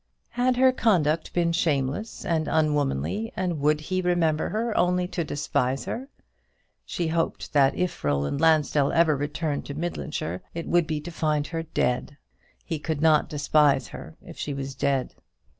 Had her conduct been shameless and unwomanly, and would he remember her only to despise her? She hoped that if Roland Lansdell ever returned to Midlandshire it would be to find her dead. He could not despise her if she was dead.